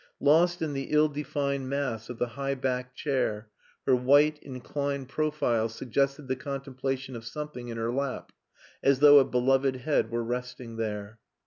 Lost in the ill defined mass of the high backed chair, her white, inclined profile suggested the contemplation of something in her lap, as though a beloved head were resting there.